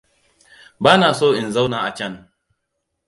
Ba na so in zauna a can.